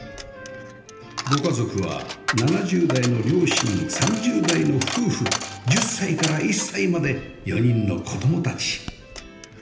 ご家族は７０代の両親３０代の夫婦１０歳から１歳まで４人の子供たち